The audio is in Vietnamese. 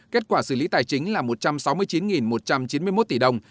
kết quả xử lý tài chính là một trăm sáu mươi chín một trăm chín mươi một tỷ đồng